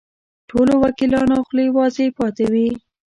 ټولو وکیلانو خولې وازې پاتې وې.